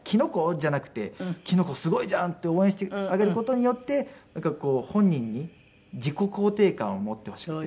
じゃなくて「キノコすごいじゃん！」って応援してあげる事によってなんか本人に自己肯定感を持ってほしくて。